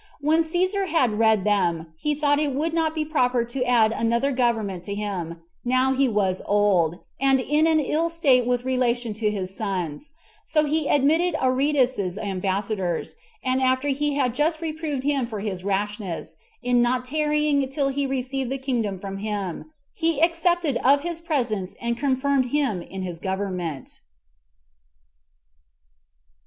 When Cæsar had read them, he thought it would not be proper to add another government to him, now he was old, and in an ill state with relation to his sons, so he admitted Aretas's ambassadors; and after he had just reproved him for his rashness, in not tarrying till he received the kingdom from him, he accepted of his presents, and confirmed him in his government.